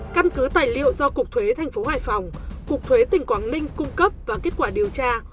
căn cứ tài liệu do cục thuế tp hoài phòng cục thuế tỉnh quảng ninh cung cấp và kết quả điều tra